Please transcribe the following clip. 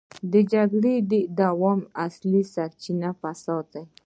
د جګړې د دوام اصلي سرچينه فساد دی.